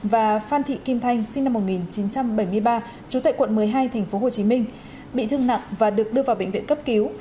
và phan thị kim thanh sinh năm một nghìn chín trăm bảy mươi ba trú tại quận một mươi hai tp hcm bị thương nặng và được đưa vào bệnh viện cấp cứu